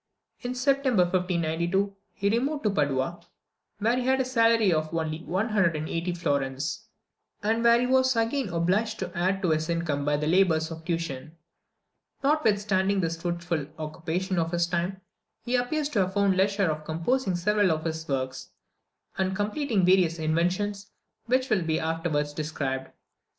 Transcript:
In September 1592, he removed to Padua, where he had a salary of only 180 florins, and where he was again obliged to add to his income by the labours of tuition. Notwithstanding this fruitless occupation of his time, he appears to have found leisure for composing several of his works, and completing various inventions, which will be afterwards described.